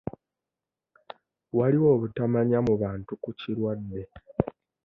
Waliwo obutamanya mu bantu ku kirwadde.